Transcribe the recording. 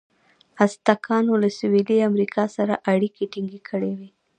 ازتکانو له سویلي امریکا سره اړیکې ټینګې کړې وې.